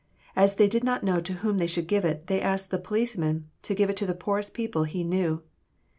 As they did not know to whom they should give it, they asked the policeman to give it to the poorest people he knew.